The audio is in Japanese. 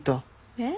えっ？